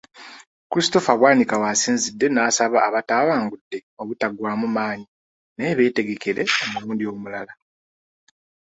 Christopher Bwanika w'asinzidde n'asaba abatawangudde obutaggwaamu maanyi naye beetegekere omulundu omulala.